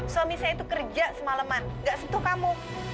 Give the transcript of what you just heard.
suami saya itu kerja semalaman gak sentuh kamu